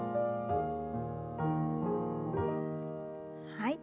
はい。